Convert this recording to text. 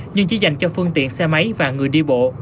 nhưng chỉ dành cho phương tiện xe máy và người đi bộ